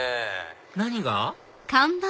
何が？